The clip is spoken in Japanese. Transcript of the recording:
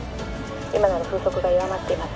「今なら風速が弱まっています」